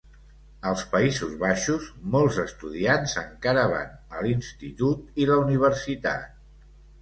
Als Països Baixos, molts estudiants encara van a l'institut i la universitat.